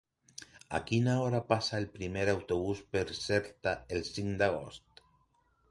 A quina hora passa el primer autobús per Xerta el cinc d'agost?